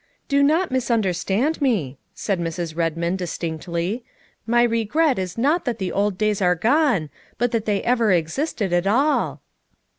" Do not misunderstand me," said Mrs. Redmond distinctly, '' my regret is not that the old days are gone, but that they ever existed at all."